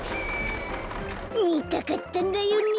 みたかったんだよね。